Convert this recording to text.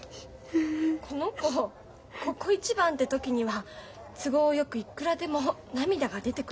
この子ここ一番って時には都合よくいっくらでも涙が出てくる子なの。